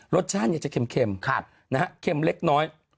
รสชาติเนี่ยจะเค็มนะฮะเค็มเล็กน้อย